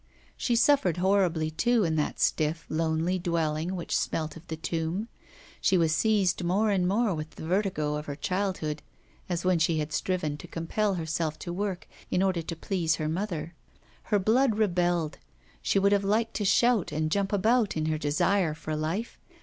She suffered horribly, too, in that stiff, lonely dwelling which smelt of the tomb. She was seized once more with the vertigo of her childhood, as when she had striven to compel herself to work, in order to please her mother; her blood rebelled; she would have liked to shout and jump about, in her desire for life.